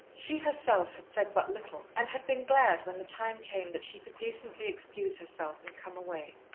She herself had said but little, and had been glad when the time came that she could decently excuse herself and come away.